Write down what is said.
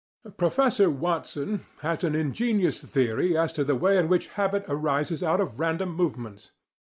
Professor Watson ("Behavior," pp. 262 3) has an ingenious theory as to the way in which habit arises out of random movements.